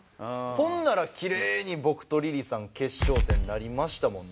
ほんならキレイに僕とリリーさん決勝戦になりましたもんね。